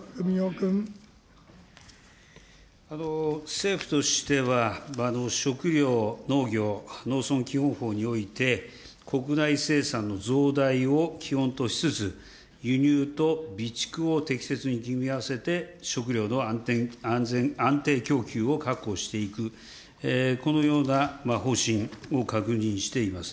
政府としては、食料、農業、農産基本法において、国内生産の増大を基本としつつ、輸入と備蓄を適切に組み合わせて食料の安全、安定供給を確保していく、このような方針を確認しています。